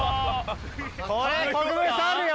これ国分さんあるよ！